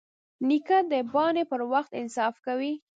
نیکه د بانې پر وخت انصاف کوي.